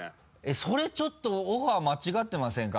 それちょっとオファー間違ってませんか？